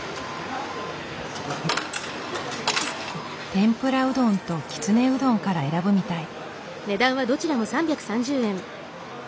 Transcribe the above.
天ぷらうどんときつねうどんから選ぶみたい。